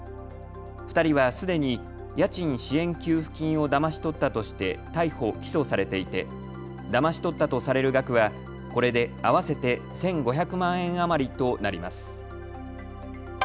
２人はすでに家賃支援給付金をだまし取ったとして逮捕・起訴されていてだまし取ったとされる額はこれで合わせて１５００万円余りとなります。